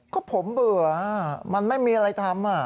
ก็ผมเบื่อมันไม่มีอะไรทำ